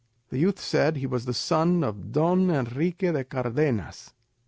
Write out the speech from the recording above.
The youth said he was the son of Don Enrique de Cardenas.